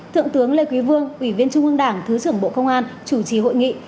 thượng tướng lê quý vương ủy viên trung ương đảng thứ trưởng bộ công an chủ trì hội nghị